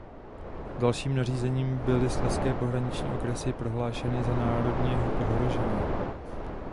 Dalším nařízením byly slezské pohraniční okresy prohlášeny za národně ohrožené.